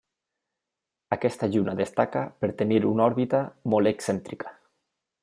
Aquesta lluna destaca per tenir una òrbita molt excèntrica.